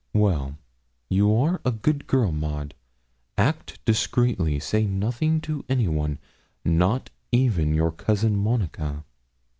'Well, you are a good girl, Maud. Act discreetly. Say nothing to anyone not even to your cousin Monica.'